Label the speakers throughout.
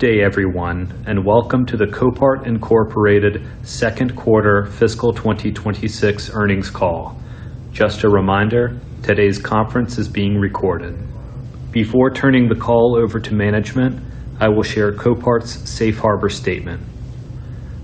Speaker 1: Good day, everyone, and welcome to the Copart Incorporated second quarter fiscal 2026 earnings call. Just a reminder, today's conference is being recorded. Before turning the call over to management, I will share Copart's safe harbor statement.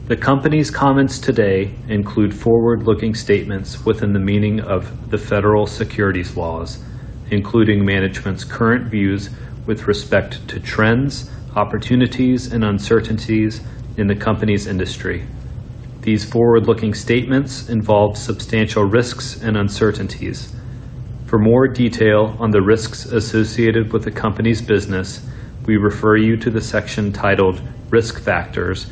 Speaker 1: The company's comments today include forward-looking statements within the meaning of the federal securities laws, including management's current views with respect to trends, opportunities, and uncertainties in the company's industry. These forward-looking statements involve substantial risks and uncertainties. For more detail on the risks associated with the company's business, we refer you to the section titled "Risk Factors"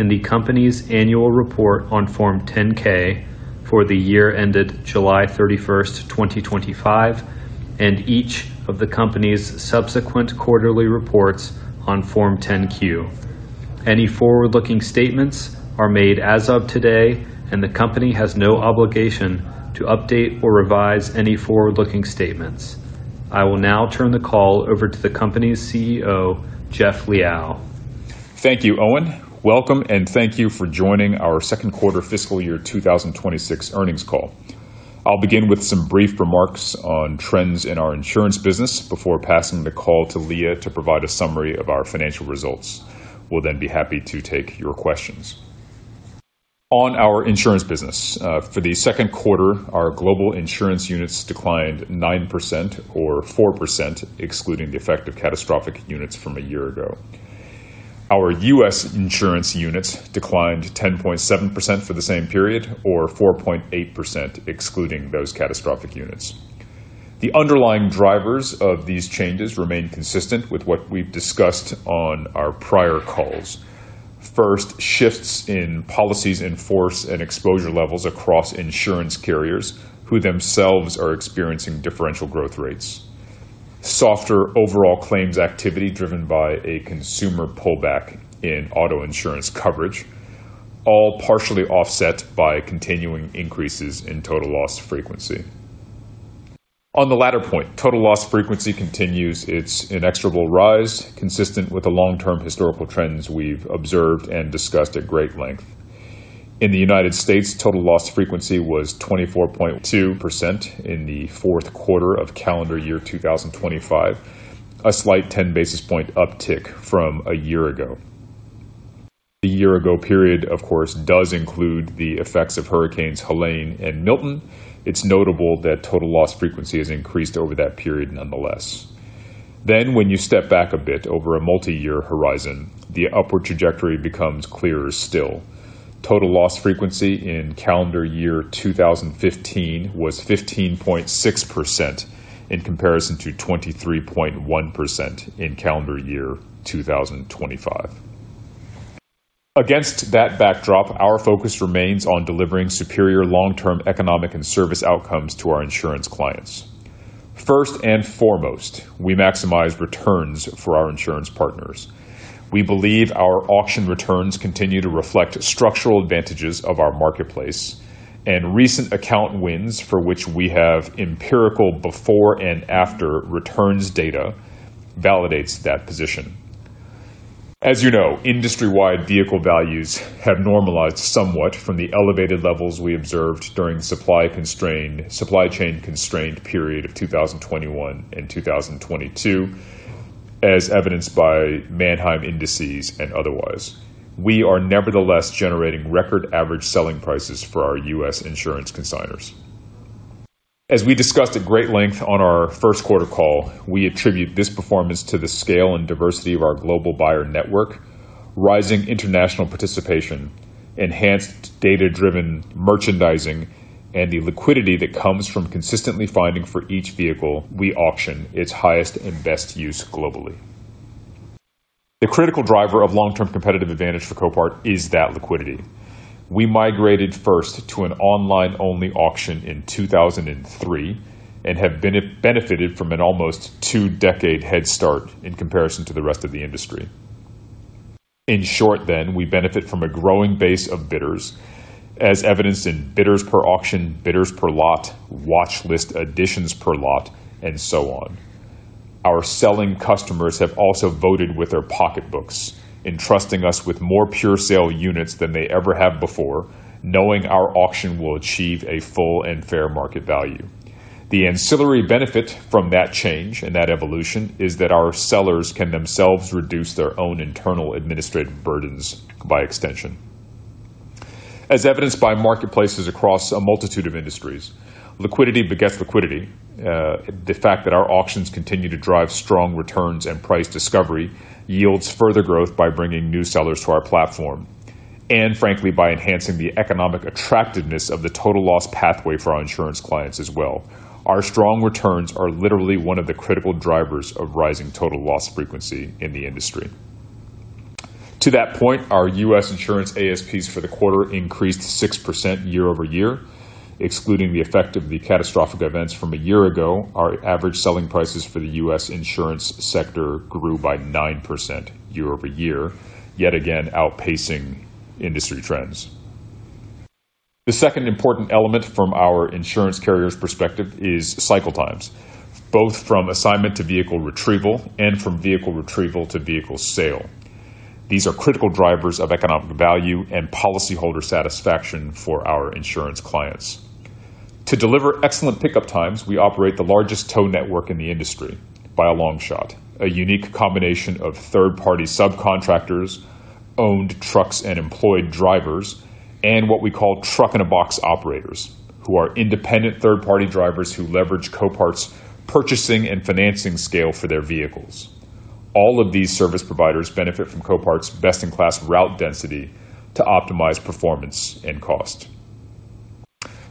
Speaker 1: in the company's Annual Report on Form 10-K for the year ended July 31, 2025, and each of the company's subsequent quarterly reports on Form 10-Q. Any forward-looking statements are made as of today, and the company has no obligation to update or revise any forward-looking statements. I will now turn the call over to the company's CEO, Jeff Liaw.
Speaker 2: Thank you, Owen. Welcome, and thank you for joining our second quarter fiscal year 2026 earnings call. I'll begin with some brief remarks on trends in our insurance business before passing the call to Leah to provide a summary of our financial results. We'll then be happy to take your questions. On our insurance business, for the second quarter, our global insurance units declined 9% or 4%, excluding the effect of catastrophic units from a year ago. Our U.S. insurance units declined 10.7% for the same period, or 4.8% excluding those catastrophic units. The underlying drivers of these changes remain consistent with what we've discussed on our prior calls. First, shifts in policies in force and exposure levels across insurance carriers, who themselves are experiencing differential growth rates. Softer overall claims activity, driven by a consumer pullback in auto insurance coverage, all partially offset by continuing increases in total loss frequency. On the latter point, total loss frequency continues its inexorable rise, consistent with the long-term historical trends we've observed and discussed at great length. In the United States, total loss frequency was 24.2% in the fourth quarter of calendar year 2025, a slight 10 basis point uptick from a year ago. The year-ago period, of course, does include the effects of hurricanes Helene and Milton. It's notable that total loss frequency has increased over that period nonetheless. Then, when you step back a bit over a multi-year horizon, the upward trajectory becomes clearer still. Total loss frequency in calendar year 2015 was 15.6% in comparison to 23.1% in calendar year 2025. Against that backdrop, our focus remains on delivering superior long-term economic and service outcomes to our insurance clients. First and foremost, we maximize returns for our insurance partners. We believe our auction returns continue to reflect structural advantages of our marketplace and recent account wins, for which we have empirical before and after returns data validates that position. As you know, industry-wide vehicle values have normalized somewhat from the elevated levels we observed during supply chain constrained period of 2021 and 2022, as evidenced by Manheim indices and otherwise. We are nevertheless generating record average selling prices for our U.S. insurance consignors. As we discussed at great length on our first quarter call, we attribute this performance to the scale and diversity of our global buyer network, rising International participation, enhanced data-driven merchandising, and the liquidity that comes from consistently finding for each vehicle we auction its highest and best use globally. The critical driver of long-term competitive advantage for Copart is that liquidity. We migrated first to an online-only auction in 2003 and have benefited from an almost two-decade head start in comparison to the rest of the industry. In short, then, we benefit from a growing base of bidders, as evidenced in bidders per auction, bidders per lot, watch list additions per lot, and so on. Our selling customers have also voted with their pocketbooks, entrusting us with more pure sale units than they ever have before, knowing our auction will achieve a full and fair market value. The ancillary benefit from that change and that evolution is that our sellers can themselves reduce their own internal administrative burdens by extension. As evidenced by marketplaces across a multitude of industries, liquidity begets liquidity. The fact that our auctions continue to drive strong returns and price discovery yields further growth by bringing new sellers to our platform, and frankly, by enhancing the economic attractiveness of the total loss pathway for our insurance clients as well. Our strong returns are literally one of the critical drivers of rising total loss frequency in the industry. To that point, our U.S. insurance ASPs for the quarter increased 6% year-over-year, excluding the effect of the catastrophic events from a year ago, our average selling prices for the U.S. insurance sector grew by 9% year-over-year, yet again, outpacing industry trends. The second important element from our insurance carrier's perspective is cycle times, both from assignment to vehicle retrieval and from vehicle retrieval to vehicle sale. These are critical drivers of economic value and policyholder satisfaction for our insurance clients. To deliver excellent pickup times, we operate the largest tow network in the industry by a long shot. A unique combination of third-party subcontractors, owned trucks and employed drivers, and Truck-in-a-Box operators, who are independent third-party drivers who leverage Copart's purchasing and financing scale for their vehicles. All of these service providers benefit from Copart's best-in-class route density to optimize performance and cost.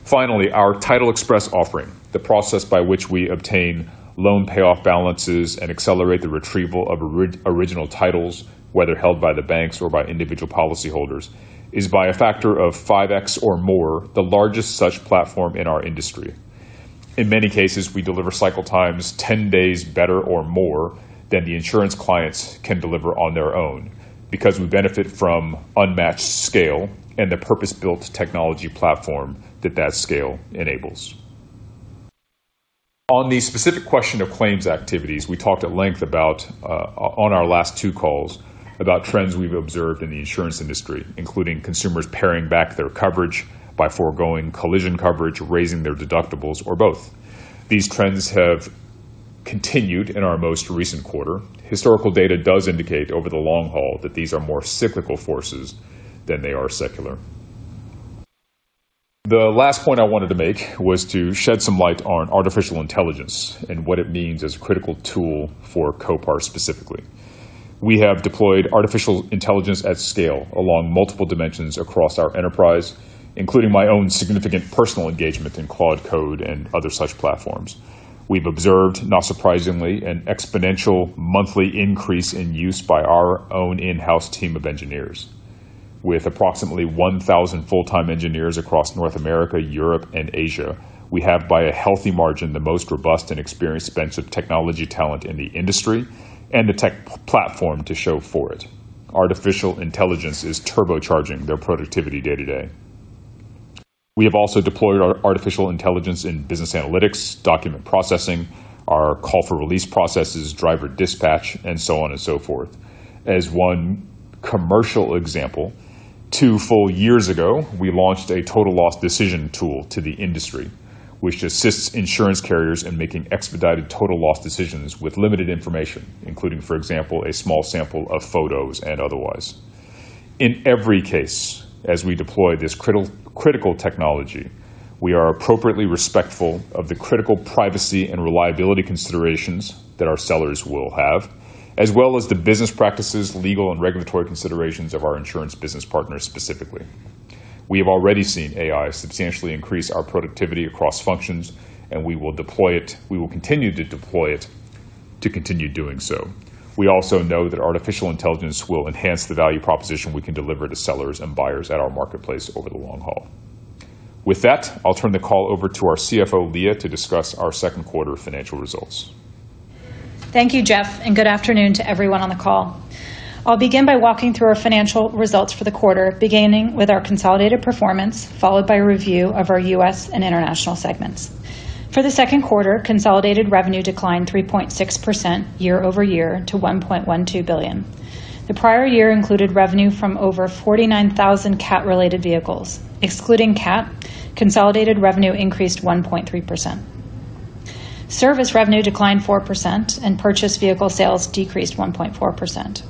Speaker 2: Finally, our Title Express offering, the process by which we obtain loan payoff balances and accelerate the retrieval of original titles, whether held by the banks or by individual policyholders, is by a factor of 5x or more, the largest such platform in our industry. In many cases, we deliver cycle times 10 days better or more than the insurance clients can deliver on their own, because we benefit from unmatched scale and the purpose-built technology platform that that scale enables. On the specific question of claims activities, we talked at length about on our last two calls, about trends we've observed in the insurance industry, including consumers paring back their coverage by foregoing collision coverage, raising their deductibles, or both. These trends have continued in our most recent quarter. Historical data does indicate over the long haul that these are more cyclical forces than they are secular. The last point I wanted to make was to shed some light on artificial intelligence and what it means as a critical tool for Copart specifically. We have deployed artificial intelligence at scale along multiple dimensions across our enterprise, including my own significant personal engagement in quad code and other such platforms. We've observed, not surprisingly, an exponential monthly increase in use by our own in-house team of engineers. With approximately 1,000 full-time engineers across North America, Europe, and Asia, we have, by a healthy margin, the most robust and experienced bench of technology talent in the industry and the tech platform to show for it. Artificial intelligence is turbocharging their productivity day-to-day. We have also deployed our artificial intelligence in business analytics, document processing, our Call for Release processes, driver dispatch, and so on and so forth. As one commercial example, two full years ago, we launched a total loss decision tool to the industry, which assists insurance carriers in making expedited total loss decisions with limited information, including, for example, a small sample of photos and otherwise. In every case, as we deploy this critical, critical technology, we are appropriately respectful of the critical privacy and reliability considerations that our sellers will have, as well as the business practices, legal and regulatory considerations of our insurance business partners specifically. We have already seen AI substantially increase our productivity across functions, and we will deploy it, we will continue to deploy it to continue doing so. We also know that artificial intelligence will enhance the value proposition we can deliver to sellers and buyers at our marketplace over the long haul. With that, I'll turn the call over to our CFO, Leah, to discuss our second quarter financial results.
Speaker 3: Thank you, Jeff, and good afternoon to everyone on the call. I'll begin by walking through our financial results for the quarter, beginning with our consolidated performance, followed by a review of our U.S. and International segments. For the second quarter, consolidated revenue declined 3.6% year-over-year to $1.12 billion. The prior year included revenue from over 49,000 CAT-related vehicles. Excluding CAT, consolidated revenue increased 1.3%. Service revenue declined 4% and purchased vehicle sales decreased 1.4%.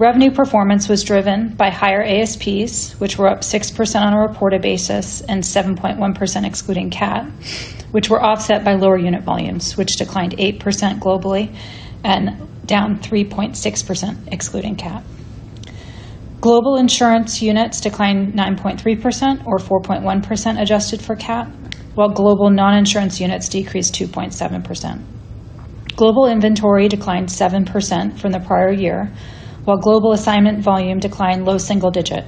Speaker 3: Revenue performance was driven by higher ASPs, which were up 6% on a reported basis and 7.1% excluding CAT, which were offset by lower unit volumes, which declined 8% globally and down 3.6% excluding CAT. Global insurance units declined 9.3% or 4.1% adjusted for CAT, while global non-insurance units decreased 2.7%. Global inventory declined 7% from the prior year, while global assignment volume declined low single digit.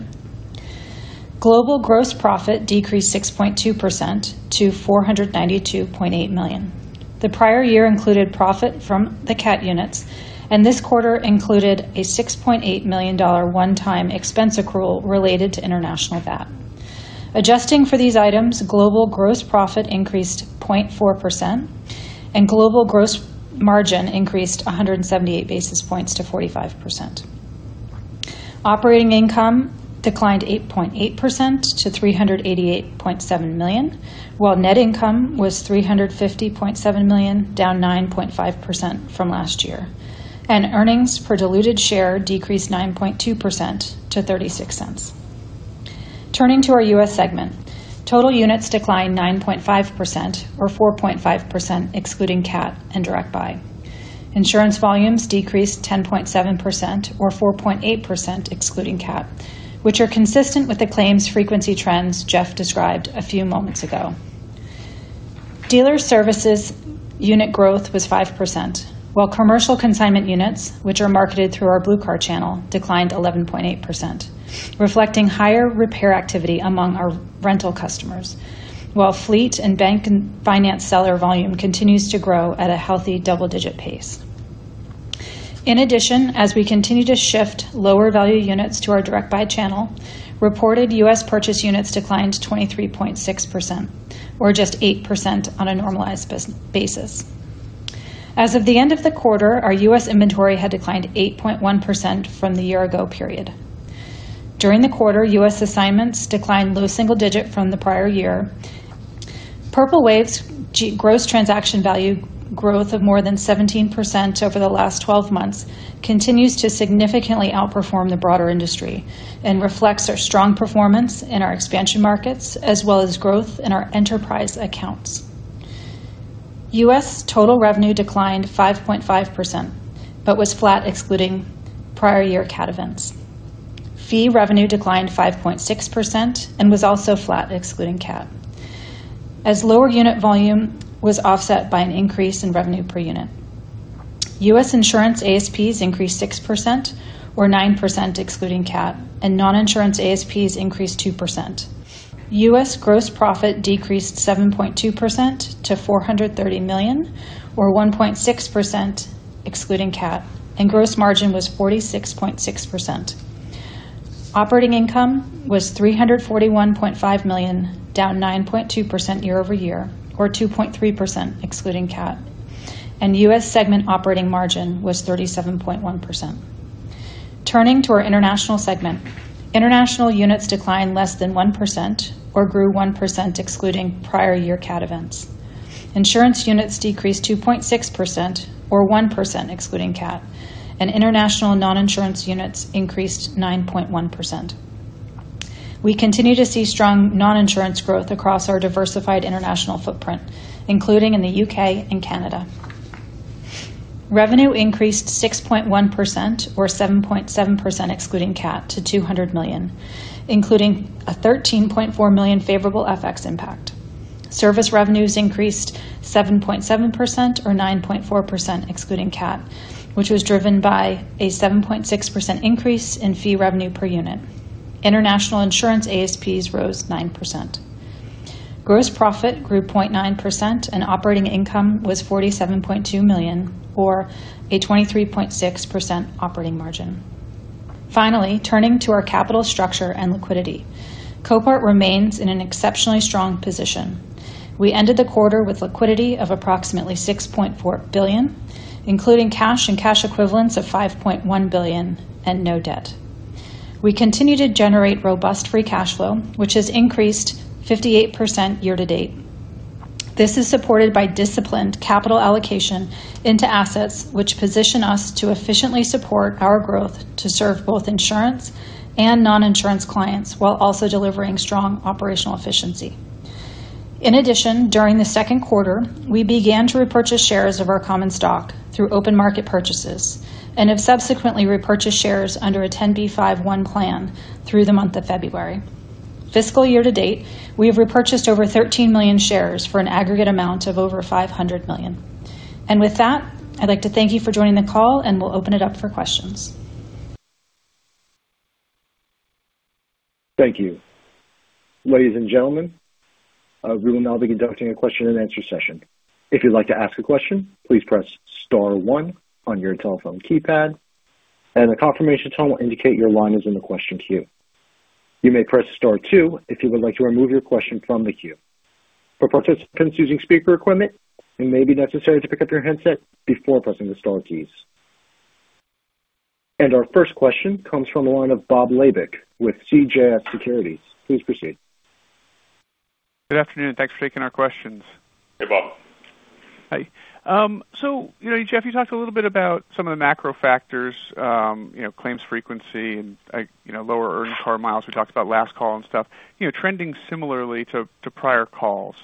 Speaker 3: Global gross profit decreased 6.2% to $492.8 million. The prior year included profit from the CAT units, and this quarter included a $6.8 million one-time expense accrual related to International VAT. Adjusting for these items, global gross profit increased 0.4% and global gross margin increased 178 basis points to 45%. Operating income declined 8.8% to $388.7 million, while net income was $350.7 million, down 9.5% from last year, and earnings per diluted share decreased 9.2% to $0.36. Turning to our U.S. segment, total units declined 9.5% or 4.5% excluding CAT and direct buy. Insurance volumes decreased 10.7% or 4.8%, excluding CAT, which are consistent with the claims frequency trends Jeff described a few moments ago. Dealer services unit growth was 5%, while commercial consignment units, which are marketed through our Blue Car channel, declined 11.8%, reflecting higher repair activity among our rental customers, while fleet and bank and finance seller volume continues to grow at a healthy double-digit pace. In addition, as we continue to shift lower value units to our direct buy channel, reported U.S. purchase units declined 23.6%, or just 8% on a normalized basis. As of the end of the quarter, our U.S. inventory had declined 8.1% from the year ago period. During the quarter, U.S. assignments declined low single digit from the prior year. Purple Wave's gross transaction value growth of more than 17% over the last 12 months continues to significantly outperform the broader industry and reflects our strong performance in our expansion markets, as well as growth in our enterprise accounts. U.S. total revenue declined 5.5%, but was flat, excluding prior year CAT events. Fee revenue declined 5.6% and was also flat, excluding CAT, as lower unit volume was offset by an increase in revenue per unit. U.S. insurance ASPs increased 6% or 9% excluding CAT, and non-insurance ASPs increased 2%. U.S. gross profit decreased 7.2% to $430 million, or 1.6% excluding CAT, and gross margin was 46.6%. Operating income was $341.5 million, down 9.2% year-over-year, or 2.3% excluding CAT, and U.S. segment operating margin was 37.1%. Turning to our International segment. International units declined less than 1% or grew 1% excluding prior year CAT events. Insurance units decreased 2.6% or 1% excluding CAT, and International non-insurance units increased 9.1%. We continue to see strong non-insurance growth across our diversified International footprint, including in the U.K. and Canada. Revenue increased 6.1% or 7.7% excluding CAT, to $200 million, including a $13.4 million favorable FX impact. Service revenues increased 7.7% or 9.4% excluding CAT, which was driven by a 7.6% increase in fee revenue per unit. International insurance ASPs rose 9%. Gross profit grew 0.9%, and operating income was $47.2 million, or a 23.6% operating margin. Finally, turning to our capital structure and liquidity. Copart remains in an exceptionally strong position. We ended the quarter with liquidity of approximately $6.4 billion, including cash and cash equivalents of $5.1 billion and no debt. We continue to generate robust free cash flow, which has increased 58% year to date. This is supported by disciplined capital allocation into assets, which position us to efficiently support our growth to serve both insurance and non-insurance clients, while also delivering strong operational efficiency. In addition, during the second quarter, we began to repurchase shares of our common stock through open market purchases and have subsequently repurchased shares under a 10b5-1 plan through the month of February. Fiscal year to date, we have repurchased over 13 million shares for an aggregate amount of over $500 million. With that, I'd like to thank you for joining the call, and we'll open it up for questions.
Speaker 1: Thank you. Ladies and gentlemen, we will now be conducting a question-and-answer session. If you'd like to ask a question, please press star one on your telephone keypad, and a confirmation tone will indicate your line is in the question queue. You may press star two if you would like to remove your question from the queue. For participants using speaker equipment, it may be necessary to pick up your headset before pressing the star keys. Our first question comes from the line of Bob Labick with CJS Securities. Please proceed.
Speaker 4: Good afternoon, thanks for taking our questions.
Speaker 2: Hey, Bob.
Speaker 4: Hi. So, you know, Jeff, you talked a little bit about some of the macro factors, you know, claims frequency and, you know, lower earned car miles. We talked about last call and stuff, you know, trending similarly to prior calls.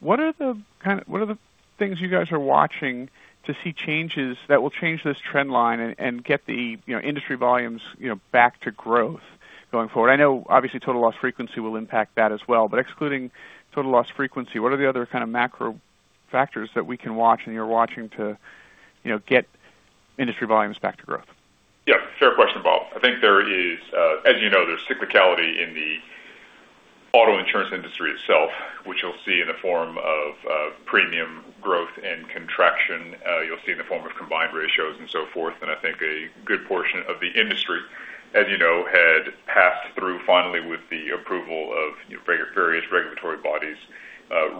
Speaker 4: What are the things you guys are watching to see changes that will change this trend line and get the, you know, industry volumes, you know, back to growth going forward? I know obviously total loss frequency will impact that as well, but excluding total loss frequency, what are the other kind of macro factors that we can watch and you're watching to, you know, get industry volumes back to growth?
Speaker 2: Yeah, fair question, Bob. I think there is, as you know, there's cyclicality in the auto insurance industry itself, which you'll see in the form of, premium growth and contraction. You'll see in the form of combined ratios and so forth. And I think a good portion of the industry, as you know, had passed through finally, with the approval of various regulatory bodies,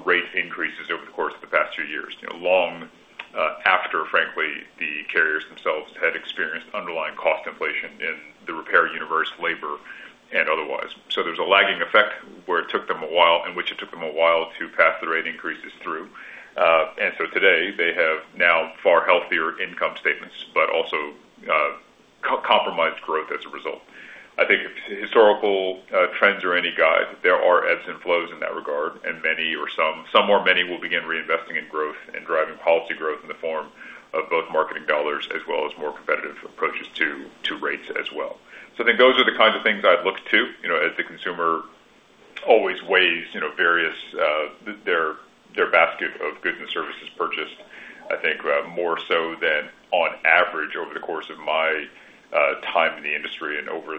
Speaker 2: rate increases over the course of the past two years, you know, long, after, frankly, the carriers themselves had experienced underlying cost inflation in the repair universe, labor and otherwise. So there's a lagging effect where it took them a while, in which it took them a while to pass the rate increases through. And so today they have now far healthier income statements, but also, co-compromised growth as a result. I think if historical trends are any guide, there are ebbs and flows in that regard, and many or some, some or many will begin reinvesting in growth and driving policy growth in the form of both marketing dollars as well as more competitive approaches to, to rates as well. So I think those are the kinds of things I'd look to, you know, as the consumer always weighs, you know, various, their, their basket of goods and services purchased. I think, more so than on average over the course of my, time in the industry and over,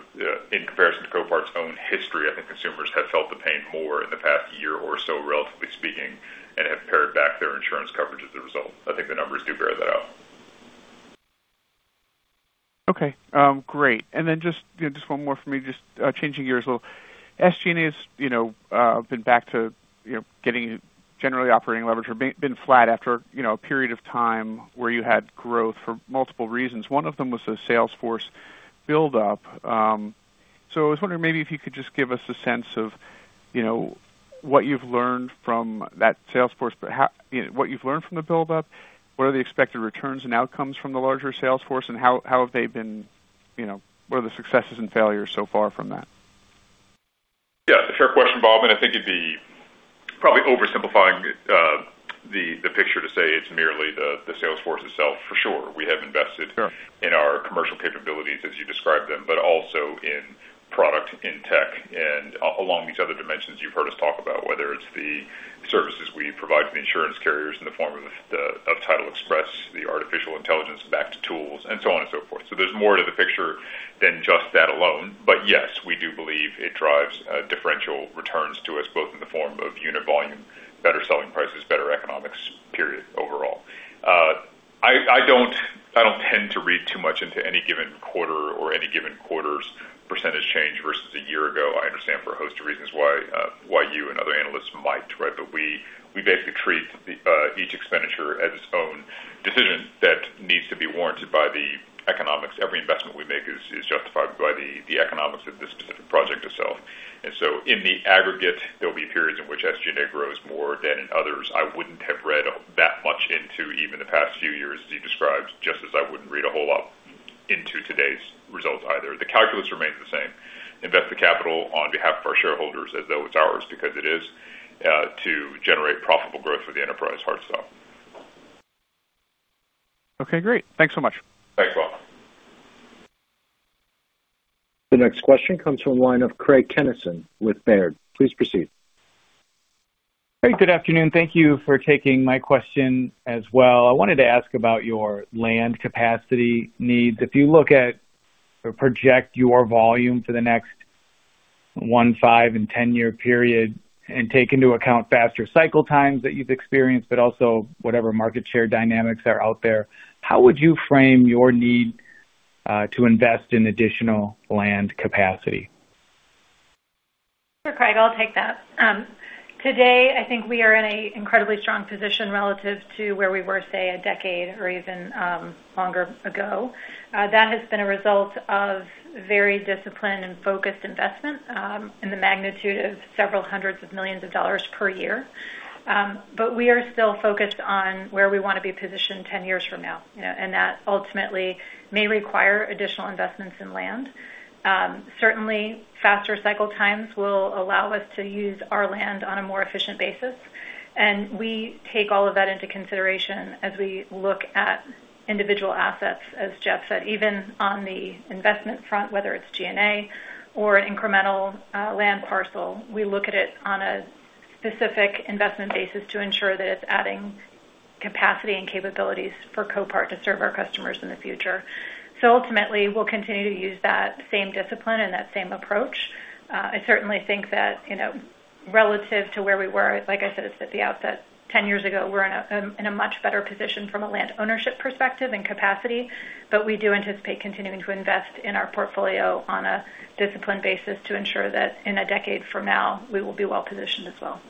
Speaker 2: in comparison to Copart's own history, I think consumers have felt the pain more in the past year or so, relatively speaking, and have pared back their insurance coverage as a result. I think the numbers do bear that out....
Speaker 4: Okay, great. And then just, you know, just one more for me, just, changing gears a little. SG&A has, you know, been back to, you know, getting generally operating leverage or been flat after, you know, a period of time where you had growth for multiple reasons. One of them was the salesforce buildup. So I was wondering maybe if you could just give us a sense of, you know, what you've learned from that salesforce, but how, you know, what you've learned from the buildup, what are the expected returns and outcomes from the larger salesforce, and how, how have they been, you know, what are the successes and failures so far from that?
Speaker 2: Yeah, a fair question, Bob, and I think it'd be probably oversimplifying the picture to say it's merely the salesforce itself for sure. We have invested-
Speaker 4: Sure.
Speaker 2: in our commercial capabilities, as you described them, but also in product, in tech, and along these other dimensions you've heard us talk about, whether it's the services we provide to the insurance carriers in the form of the, of Title Express, the artificial intelligence-enabled image recognition tools, and so on and so forth. So there's more to the picture than just that alone. But yes, we do believe it drives differential returns to us, both in the form of unit volume, better selling prices, better economics, period, overall. I don't tend to read too much into any given quarter or any given quarter's percentage change versus a year ago. I understand for a host of reasons why you and other analysts might, right? But we basically treat each expenditure as its own decision that needs to be warranted by the economics. Every investment we make is justified by the economics of the specific project itself. And so in the aggregate, there'll be periods in which SG&A grows more than in others. I wouldn't have read that much into even the past few years as you described, just as I wouldn't read a whole lot into today's results either. The calculus remains the same: invest the capital on behalf of our shareholders as though it's ours, because it is to generate profitable growth for the enterprise. Hard stop.
Speaker 4: Okay, great. Thanks so much.
Speaker 2: Thanks, Bob.
Speaker 1: The next question comes from the line of Craig Kennison with Baird. Please proceed.
Speaker 5: Hey, good afternoon. Thank you for taking my question as well. I wanted to ask about your land capacity needs. If you look at or project your volume for the next 1, 5, and 10-year period and take into account faster cycle times that you've experienced, but also whatever market share dynamics are out there, how would you frame your need to invest in additional land capacity?
Speaker 3: Sure, Craig, I'll take that. Today, I think we are in an incredibly strong position relative to where we were, say, a decade or even longer ago. That has been a result of very disciplined and focused investment in the magnitude of $several hundreds of millions per year. But we are still focused on where we want to be positioned 10 years from now, you know, and that ultimately may require additional investments in land. Certainly, faster cycle times will allow us to use our land on a more efficient basis, and we take all of that into consideration as we look at individual assets, as Jeff said, even on the investment front, whether it's G&A or an incremental land parcel. We look at it on a specific investment basis to ensure that it's adding capacity and capabilities for Copart to serve our customers in the future. So ultimately, we'll continue to use that same discipline and that same approach. I certainly think that, you know, relative to where we were, like I said, it's at the outset, 10 years ago, we're in a much better position from a land ownership perspective and capacity, but we do anticipate continuing to invest in our portfolio on a disciplined basis to ensure that in a decade from now, we will be well positioned as well.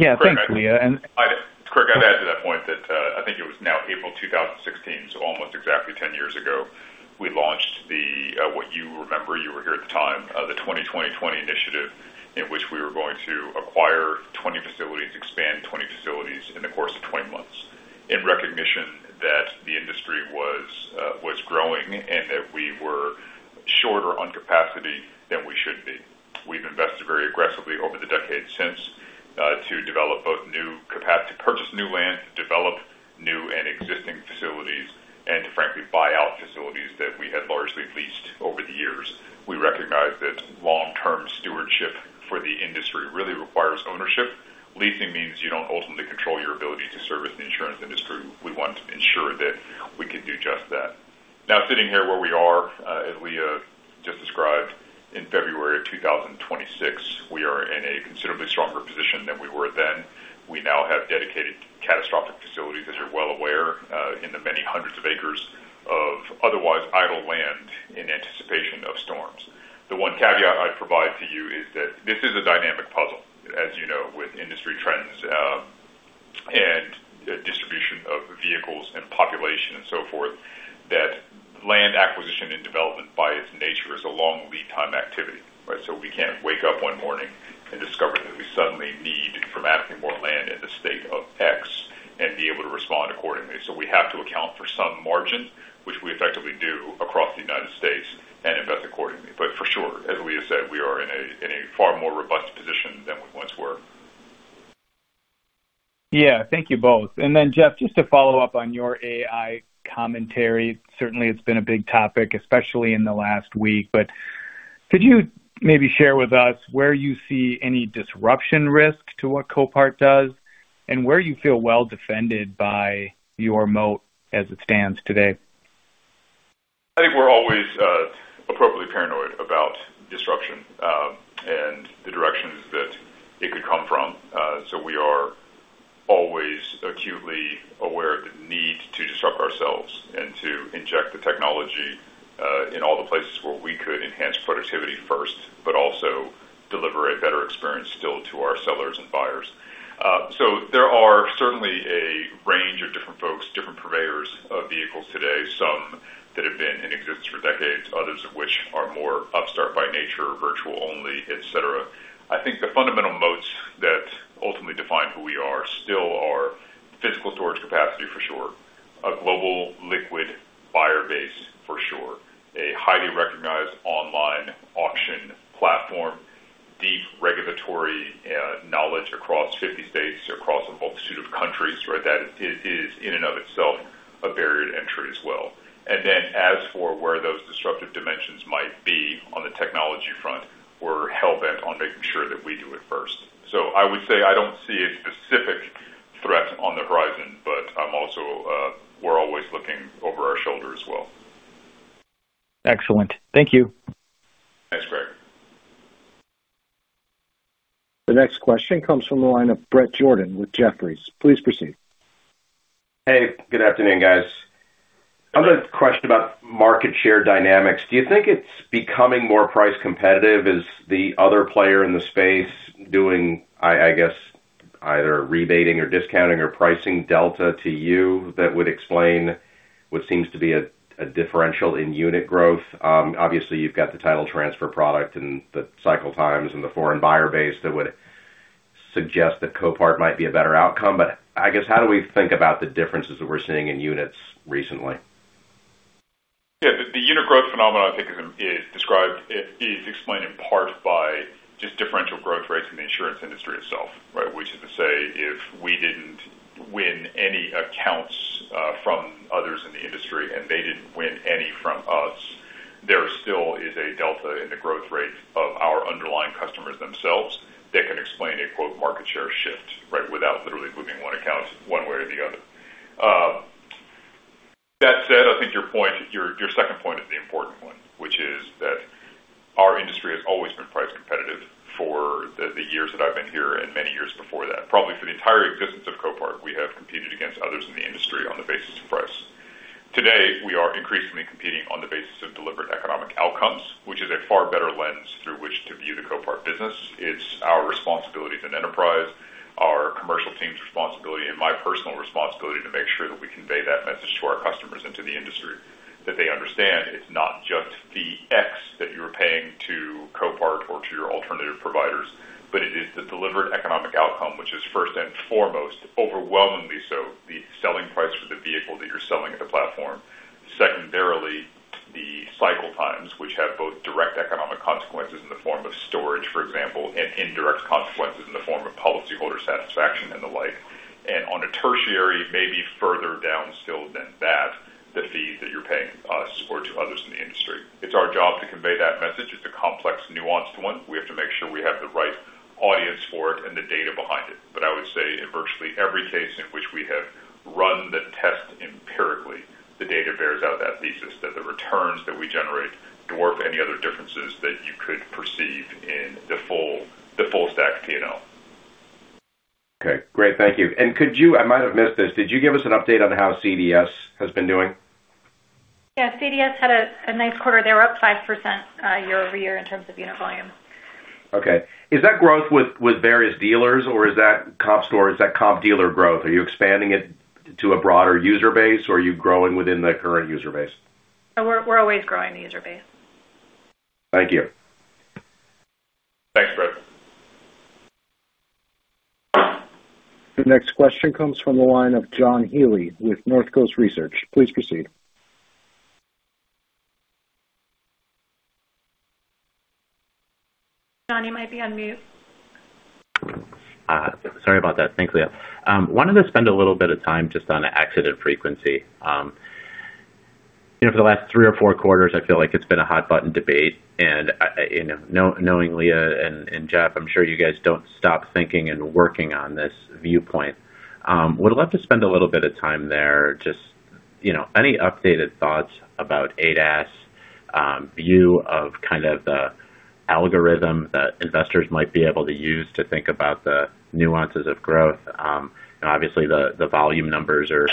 Speaker 5: Yeah, thanks, Leah. And-
Speaker 2: Craig, I'd add to that point that, I think it was now April 2016, so almost exactly 10 years ago, we launched the, what you remember, you were here at the time, the 20-20-20 initiative, in which we were going to acquire 20 facilities, expand 20 facilities in the course of 20 months, in recognition that the industry was, was growing and that we were shorter on capacity than we should be. We've invested very aggressively over the decade since, to develop both new capacity, purchase new land, develop new and existing facilities, and to frankly, buy out facilities that we had largely leased over the years. We recognize that long-term stewardship for the industry really requires ownership. Leasing means you don't ultimately control your ability to service the insurance industry. We want to ensure that we can do just that. Now, sitting here where we are, as Leah just described, in February 2026, we are in a considerably stronger position than we were then. We now have dedicated catastrophic facilities, as you're well aware, in the many hundreds of acres of otherwise idle land in anticipation of storms. The one caveat I'd provide to you is that this is a dynamic puzzle, as you know, with industry trends, and distribution of vehicles and population and so forth, that land acquisition and development, by its nature, is a long lead time activity, right? So we have to account for some margin, which we effectively do across the United States, and invest accordingly. But for sure, as Leah said, we are in a far more robust position than we once were.
Speaker 5: Yeah. Thank you both. And then, Jeff, just to follow up on your AI commentary, certainly it's been a big topic, especially in the last week. But could you maybe share with us where you see any disruption risk to what Copart does and where you feel well defended by your moat as it stands today?
Speaker 2: I think we're always appropriately paranoid. So we are always acutely aware of the need to disrupt ourselves and to inject the technology in all the places where we could enhance productivity first, but also deliver a better experience still to our sellers and buyers. So there are certainly a range of different folks, different purveyors of vehicles today, some that have been in existence for decades, others of which are more upstart by nature, virtual only, et cetera. I think the fundamental moats that ultimately define who we are still are physical storage capacity, for sure, a global liquid buyer base, for sure, a highly recognized online auction platform, deep regulatory knowledge across 50 states, across a multitude of countries, right? That is in and of itself a barrier to entry as well. As for where those disruptive dimensions might be on the technology front, we're hell-bent on making sure that we do it first. I would say I don't see a specific threat on the horizon, but I'm also, we're always looking over our shoulder as well.
Speaker 5: Excellent. Thank you.
Speaker 2: Thanks, Greg.
Speaker 1: The next question comes from the line of Bret Jordan with Jefferies. Please proceed.
Speaker 6: Hey, good afternoon, guys. I have a question about market share dynamics. Do you think it's becoming more price competitive? Is the other player in the space doing, I, I guess, either rebating or discounting or pricing delta to you that would explain what seems to be a differential in unit growth? Obviously, you've got the title transfer product and the cycle times and the foreign buyer base that would suggest that Copart might be a better outcome. But I guess, how do we think about the differences that we're seeing in units recently?
Speaker 2: Yeah, the unit growth phenomenon, I think, is described. It is explained in part by just differential growth rates in the insurance industry itself, right? Which is to say, if we didn't win any accounts from others in the industry, and they didn't win any from us, there still is a delta in the growth rate of our underlying customers themselves. They can explain a quote, "market share shift," right? Without literally moving one account one way or the other. That said, I think your point, your second point is the important one, which is that our industry has always been price competitive for the years that I've been here and many years before that. Probably for the entire existence of Copart, we have competed against others in the industry on the basis of price. Today, we are increasingly competing on the basis of delivered economic outcomes, which is a far better lens through which to view the Copart business. It's our responsibility as an enterprise, our commercial team's responsibility, and my personal responsibility to make sure that we convey that message to our customers and to the industry, that they understand it's not just the X that you are paying to Copart or to your alternative providers, but it is the delivered economic outcome, which is first and foremost, overwhelmingly so, the selling price for the vehicle that you're selling at the platform. Secondarily, the cycle times, which have both direct economic consequences in the form of storage, for example, and indirect consequences in the form of policyholder satisfaction and the like. And on a tertiary, maybe further down still than that, the fee that you're paying us or to others in the industry. It's our job to convey that message. It's a complex, nuanced one. We have to make sure we have the right audience for it and the data behind it. But I would say in virtually every case in which we have run the test empirically, the data bears out that thesis, that the returns that we generate dwarf any other differences that you could perceive in the full, the full stack P&L.
Speaker 6: Okay, great. Thank you. And could you... I might have missed this. Did you give us an update on how CDS has been doing?
Speaker 3: Yeah, CDS had a nice quarter. They were up 5% year-over-year in terms of unit volume.
Speaker 6: Okay. Is that growth with various dealers, or is that comp store, is that comp dealer growth? Are you expanding it to a broader user base, or are you growing within the current user base?
Speaker 3: We're always growing the user base.
Speaker 6: Thank you.
Speaker 2: Thanks, Brett.
Speaker 1: The next question comes from the line of John Healy with North Coast Research. Please proceed.
Speaker 3: John, you might be on mute.
Speaker 7: Sorry about that. Thanks, Leah. Wanted to spend a little bit of time just on accident frequency. You know, for the last three or four quarters, I feel like it's been a hot-button debate, and knowing Leah and Jeff, I'm sure you guys don't stop thinking and working on this viewpoint. Would love to spend a little bit of time there. Just, you know, any updated thoughts about ADAS, view of kind of the algorithm that investors might be able to use to think about the nuances of growth? Obviously, the volume numbers are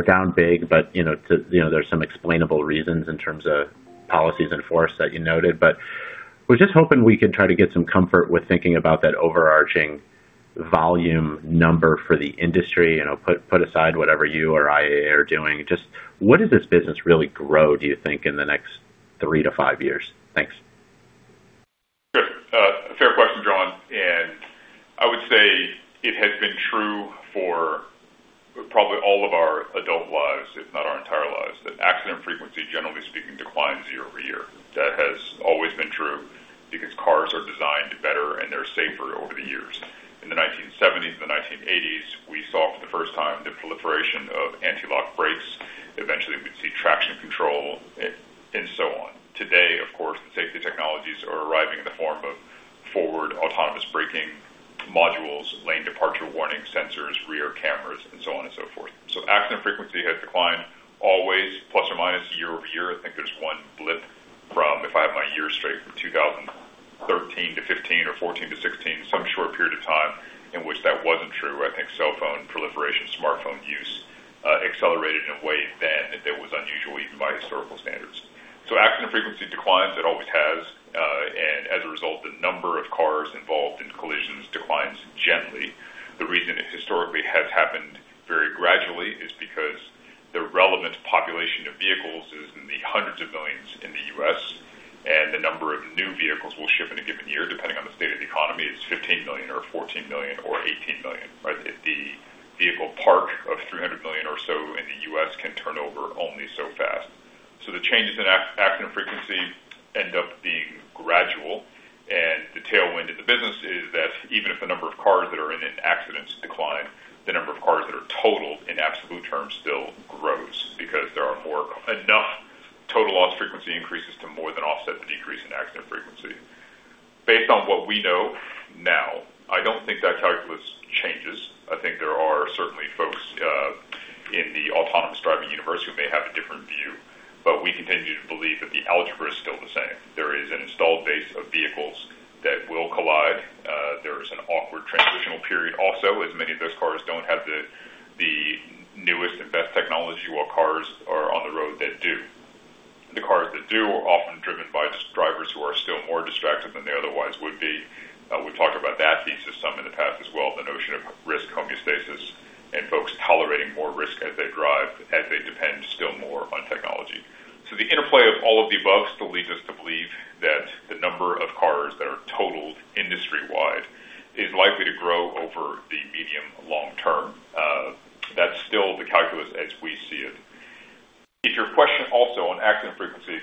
Speaker 7: down big, but, you know, to you know, there's some explainable reasons in terms of policies in force that you noted. But was just hoping we could try to get some comfort with thinking about that overarching volume number for the industry. You know, put aside whatever you or AI are doing. Just what does this business really grow, do you think, in the next 3-5 years? Thanks.
Speaker 2: Sure. Fair question, John, and I would say it has been true for probably all of our adult lives, if not our entire lives, that accident frequency, generally speaking, declines year-over-year. That has always been true because cars are designed better, and they're safer over the years. In the 1970s, the 1980s, we saw for the first time the proliferation of anti-lock brakes. Eventually, we'd see traction control, and so on. Today, of course, the safety technologies are arriving in the form of forward autonomous braking modules, lane departure warning sensors, rear cameras, and so on and so forth. So accident frequency has declined always, ±, year-over-year. I think there's one blip straight from 2013-15 or 14-16, some short period of time in which that wasn't true. I think cell phone proliferation, smartphone use, accelerated in a way then that was unusual, even by historical standards. Accident frequency declines, it always has, and as a result, the number of cars involved in collisions declines gently. The reason it historically has happened very gradually is because the relevant population of vehicles is in the hundreds of millions in the U.S., and the number of new vehicles we'll ship in a given year, depending on the state of the economy, is 15 million or 14 million or 18 million, right? The vehicle park of 300 million or so in the U.S. can turn over only so fast. So the changes in accident frequency end up being gradual, and the tailwind in the business is that even if the number of cars that are in accidents decline, the number of cars that are totaled in absolute terms still grows because there are more. Enough total loss frequency increases to more than offset the decrease in accident frequency. Based on what we know now, I don't think that calculus changes. I think there are certainly folks in the autonomous driving universe who may have a different view, but we continue to believe that the algebra is still the same. There is an installed base of vehicles that will collide. There is an awkward transitional period also, as many of those cars don't have the newest and best technology, while cars are on the road that do. The cars that do are often driven by drivers who are still more distracted than they otherwise would be. We've talked about that thesis some in the past as well, the notion of risk homeostasis and folks tolerating more risk as they drive, as they depend still more on technology. So the interplay of all of the above still leads us to believe that the number of cars that are totaled industry-wide is likely to grow over the medium long term. That's still the calculus as we see it. To your question also on accident frequency,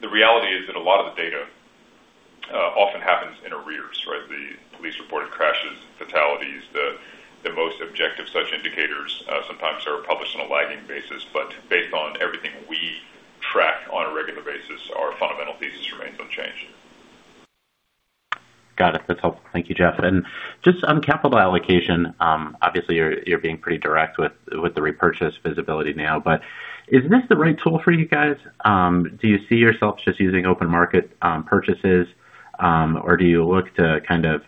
Speaker 2: the reality is that a lot of the data often happens in arrears, right? The police-reported crashes, fatalities, the most objective such indicators sometimes are published on a lagging basis, but based on everything we track on a regular basis, our fundamental thesis remains unchanged.
Speaker 7: Got it. That's helpful. Thank you, Jeff. And just on capital allocation, obviously, you're being pretty direct with the repurchase visibility now, but is this the right tool for you guys? Do you see yourselves just using open market purchases, or do you look to kind of,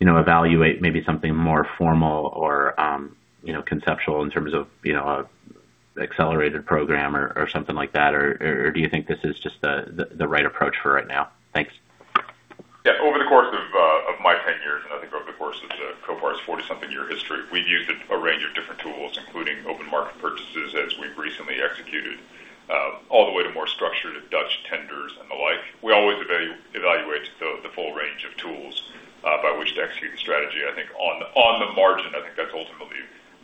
Speaker 7: you know, evaluate maybe something more formal or, you know, conceptual in terms of, you know, a accelerated program or something like that? Or do you think this is just the right approach for right now? Thanks.
Speaker 2: Yeah. Over the course of of my 10 years, and I think over the course of Copart's 40-something year history, we've used a range of different tools, including open market purchases, as we've recently executed, all the way to more structured Dutch tenders and the like. We always evaluate the full range of tools by which to execute the strategy. I think on the margin, I think that's ultimately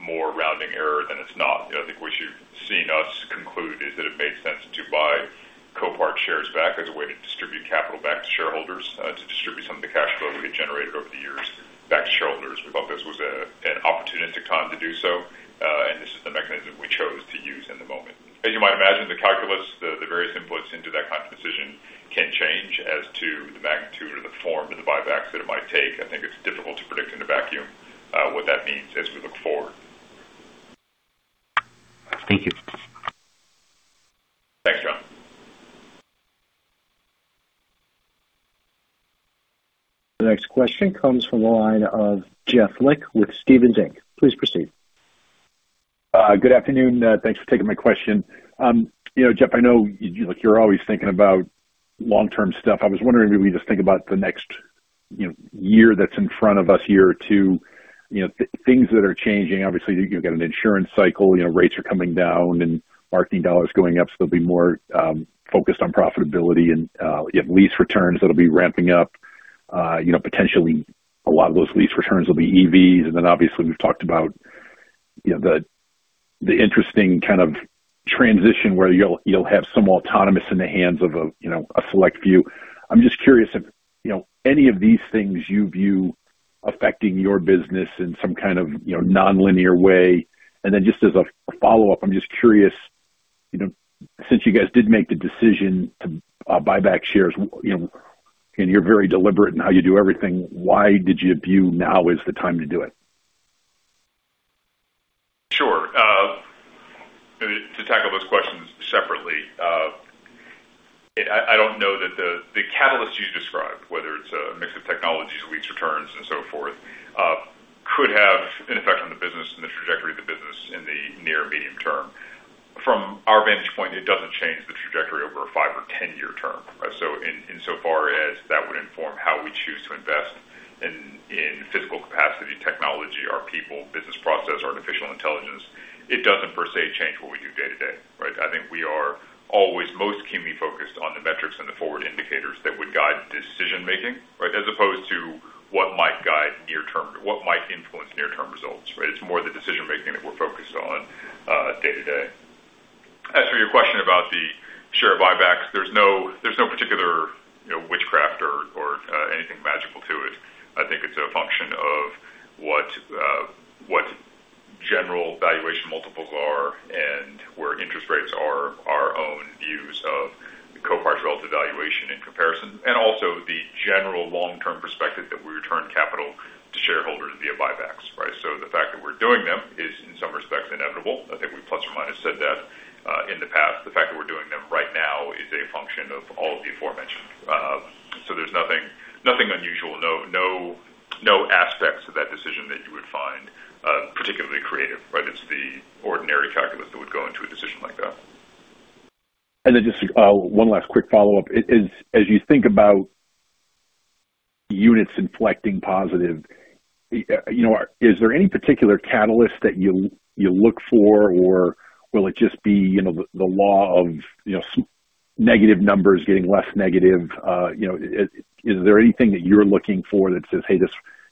Speaker 2: more rounding error than it's not. I think what you've seen us conclude is that it makes sense to buy Copart shares back as a way to distribute capital back to shareholders, to distribute some of the cash flow we had generated over the years back to shareholders. We thought this was a an opportunistic time to do so, and this is the mechanism we chose to use in the moment. As you might imagine, the calculus, the various inputs into that kind of decision can change as to the magnitude or the form of the buybacks that it might take. I think it's difficult to predict in a vacuum, what that means as we look forward.
Speaker 7: Thank you.
Speaker 2: Thanks, John.
Speaker 1: The next question comes from the line of Jeff Lick with Stephens Inc. Please proceed.
Speaker 8: Good afternoon. Thanks for taking my question. You know, Jeff, I know you, like, you're always thinking about long-term stuff. I was wondering, maybe just think about the next, you know, year that's in front of us here, or two. You know, things that are changing. Obviously, you've got an insurance cycle, you know, rates are coming down and marketing dollars going up, so they'll be more focused on profitability and, you know, lease returns that'll be ramping up. You know, potentially a lot of those lease returns will be EVs. And then obviously, we've talked about, you know, the interesting kind of transition where you'll have some autonomous in the hands of a, you know, a select few. I'm just curious if, you know, any of these things you view affecting your business in some kind of, you know, nonlinear way. And then, just as a follow-up, I'm just curious, you know, since you guys did make the decision to buy back shares, you know, and you're very deliberate in how you do everything, why did you view now is the time to do it?
Speaker 2: Sure. To tackle those questions separately. I don't know that the catalyst you described, whether it's a mix of technologies, lease returns, and so forth, could have an effect on the business and the trajectory of the business in the near-medium term. From our vantage point, it doesn't change the trajectory over a five or 10-year term, right? So insofar as that would inform how we choose to invest in physical capacity, technology, our people, business process, artificial intelligence, it doesn't per se change what we do day-to-day, right? I think we are always most keenly focused on the metrics and the forward indicators that would guide decision making, right? As opposed to what might guide near-term, what might influence near-term results, right? It's more the decision making that we're focused on day-to-day. As for your question about the share buybacks, there's no, there's no particular, you know, witchcraft or, or, anything magical to it. I think it's a function of what, what general valuation multiples are and where interest rates are, our own views of Copart's relative valuation in comparison, and also the general long-term perspective that we return capital to shareholders via buybacks, right? So the fact that we're doing them inevitably, I think we plus or minus said that, in the past. The fact that we're doing them right now is a function of all of the aforementioned. So there's nothing, nothing unusual, no, no, no aspects to that decision that you would find, particularly creative, right? It's the ordinary calculus that would go into a decision like that.
Speaker 8: Then just one last quick follow-up. Is as you think about units inflecting positive, you know, is there any particular catalyst that you look for, or will it just be, you know, the law of, you know, negative numbers getting less negative? You know, is there anything that you're looking for that says, "Hey,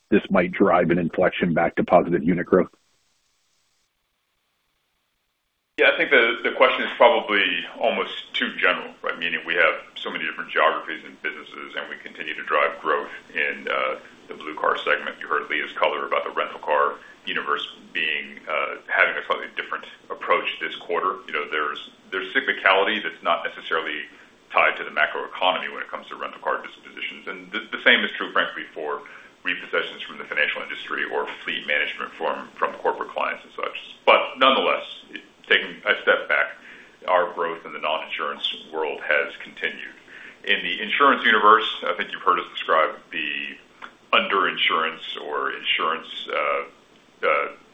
Speaker 8: this might drive an inflection back to positive unit growth?
Speaker 2: Yeah, I think the question is probably almost too general, right? Meaning we have so many different geographies and businesses, and we continue to drive growth in the blue car segment. You heard Leah's color about the rental car universe being having a slightly different approach this quarter. You know, there's cyclicality that's not necessarily tied to the macroeconomy when it comes to rental car dispositions. And the same is true, frankly, for repossessions from the financial industry or fleet management from corporate clients as such. But nonetheless, taking a step back, our growth in the non-insurance world has continued. In the insurance universe, I think you've heard us describe the under insurance or insurance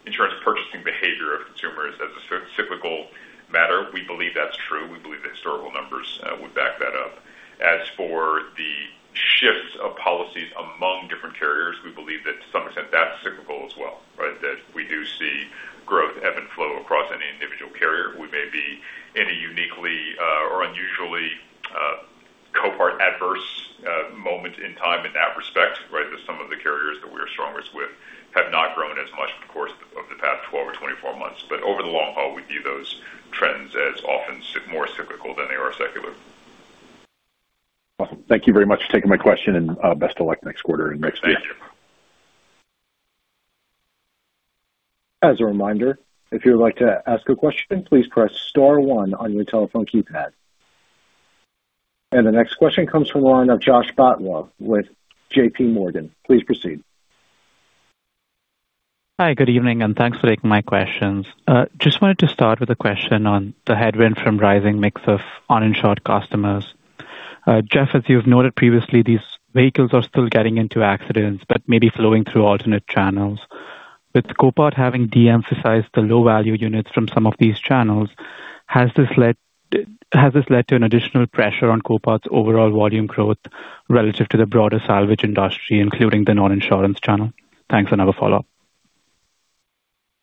Speaker 2: insurance purchasing behavior of consumers as a cyclical matter. We believe that's true. We believe the historical numbers would back that up. As for the shifts of policies among different carriers, we believe that to some extent, that's cyclical as well, right? That we do see growth, ebb and flow across any individual carrier. We may be in a uniquely, or unusually, Copart adverse, moment in time in that respect, right? That some of the carriers that we are strongest with have not grown as much, of course, over the past 12 or 24 months. But over the long haul, we view those trends as often more cyclical than they are secular.
Speaker 8: Awesome. Thank you very much for taking my question, and best of luck next quarter and next year.
Speaker 2: Thank you.
Speaker 1: As a reminder, if you would like to ask a question, please press star one on your telephone keypad. The next question comes from the line of Jash Patwa with J.P. Morgan. Please proceed.
Speaker 9: Hi, good evening, and thanks for taking my questions. Just wanted to start with a question on the headwind from rising mix of uninsured customers. Jeff, as you've noted previously, these vehicles are still getting into accidents, but maybe flowing through alternate channels. With Copart having de-emphasized the low-value units from some of these channels, has this led to an additional pressure on Copart's overall volume growth relative to the broader salvage industry, including the non-insurance channel? Thanks. Another follow-up.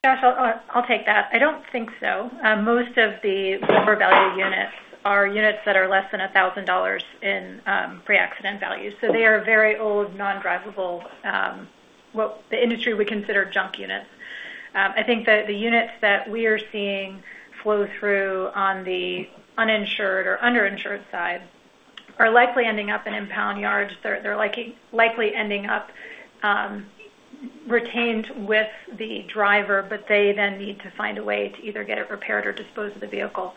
Speaker 3: Jash, I'll take that. I don't think so. Most of the lower value units are units that are less than $1,000 in pre-accident value. So they are very old, non-drivable, what the industry would consider junk units. I think that the units that we are seeing flow through on the uninsured or underinsured side are likely ending up in impound yards. They're like likely ending up retained with the driver, but they then need to find a way to either get it repaired or dispose of the vehicle.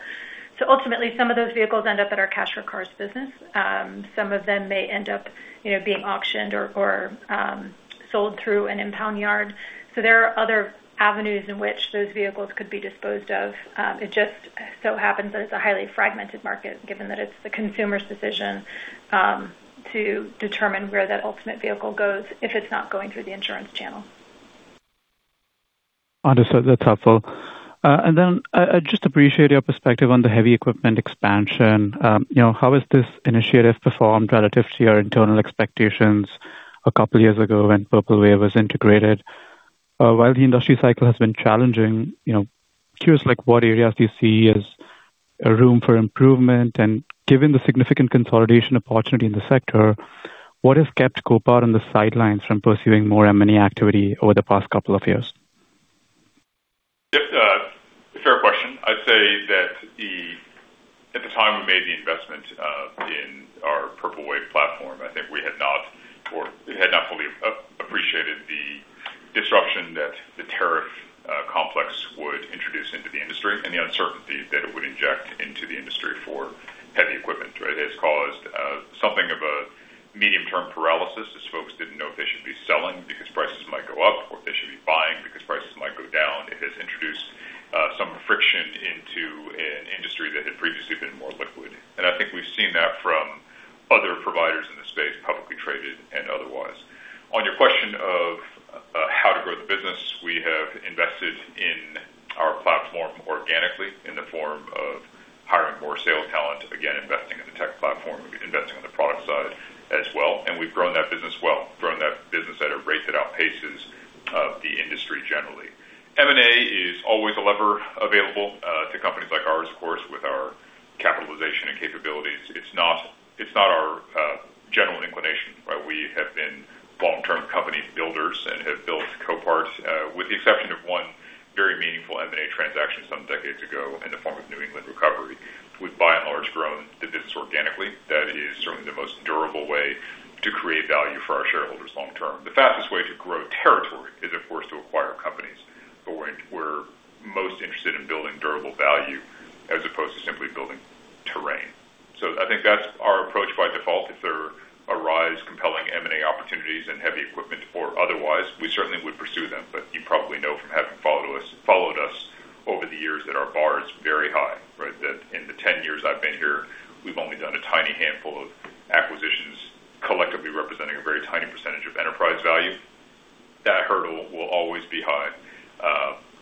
Speaker 3: So ultimately, some of those vehicles end up at our Cash for Cars business. Some of them may end up, you know, being auctioned or sold through an impound yard. So there are other avenues in which those vehicles could be disposed of. It just so happens that it's a highly fragmented market, given that it's the consumer's decision to determine where that ultimate vehicle goes, if it's not going through the insurance channel.
Speaker 9: Understood. That's helpful. And then I, I'd just appreciate your perspective on the heavy equipment expansion. You know, how has this initiative performed relative to your internal expectations a couple of years ago when Purple Wave was integrated? While the industry cycle has been challenging, you know, curious, like, what areas do you see as a room for improvement? And given the significant consolidation opportunity in the sector, what has kept Copart on the sidelines from pursuing more M&A activity over the past couple of years?
Speaker 2: Yep, fair question. I'd say that the... At the time we made the investment in our Purple Wave platform, I think we had not fully appreciated the disruption that the tariff complex would introduce into the industry and the uncertainty that it would inject into the industry for heavy equipment, right? It has caused something of a medium-term paralysis, as folks didn't know if they should be selling because prices might go up or if they should be buying because prices might go down. It has introduced some friction into an industry that had previously been more liquid, and I think we've seen that from other providers in the space, publicly traded and otherwise. On your question of, how to grow the business, we have invested in our platform organically in the form of hiring more sales talent, again, investing in the tech platform, investing on the product side as well, and we've grown that business well, grown that business at a rate that outpaces, the industry generally. M&A is always a lever available, to companies like ours, of course, with our capitalization and capabilities. It's not, it's not our, general inclination, right? We have been long-term company builders and have built Copart, with the exception of one very meaningful M&A transaction some decades ago in the form of New England Recovery. We've by and large, grown the business organically. That is certainly the most durable way to create value for our shareholders long term. The fastest way to grow territory is, of course, to acquire companies, but we're, we're most interested in building durable value as opposed to simply building territory. So I think that's our approach by default. If there arise compelling M&A opportunities in heavy equipment or otherwise, we certainly would pursue them. But you probably know from having followed us, followed us over the years, that our bar is very high, right? That in the 10 years I've been here, we've only done a tiny handful of acquisitions, collectively representing a very tiny percentage of enterprise value. That hurdle will always be high,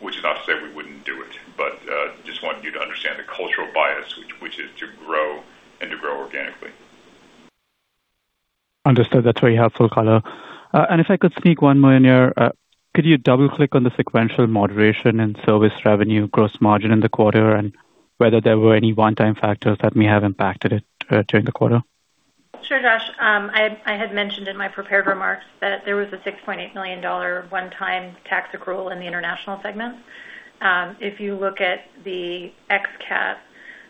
Speaker 2: which is not to say we wouldn't do it, but just want you to understand the cultural bias, which, which is to grow and to grow organically.
Speaker 9: Understood. That's very helpful color. And if I could sneak one more in here, could you double-click on the sequential moderation and service revenue gross margin in the quarter, and whether there were any one-time factors that may have impacted it, during the quarter?
Speaker 3: Sure, Jash. I had mentioned in my prepared remarks that there was a $6.8 million one-time tax accrual in the International segment. If you look at the ex-CAT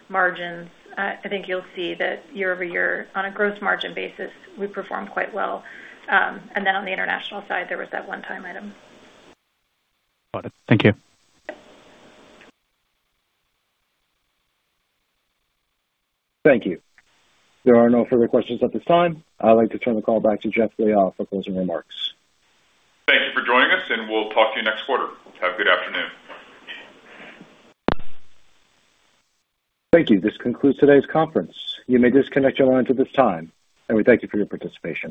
Speaker 3: margins, I think you'll see that year-over-year, on a gross margin basis, we performed quite well. And then on the International side, there was that one-time item.
Speaker 9: Got it. Thank you.
Speaker 1: Thank you. There are no further questions at this time. I'd like to turn the call back to Jeff Liaw for closing remarks.
Speaker 2: Thank you for joining us, and we'll talk to you next quarter. Have a good afternoon.
Speaker 1: Thank you. This concludes today's conference. You may disconnect your lines at this time, and we thank you for your participation.